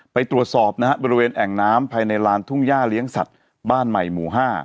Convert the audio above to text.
ไปตรวจสอบนะฮะบริเวณแอ่งน้ำภายในลานทุ่งย่าเลี้ยงสัตว์บ้านใหม่หมู่๕